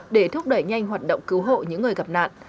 để thúc đẩy nhanh hoạt động cứu hộ những người gặp nạn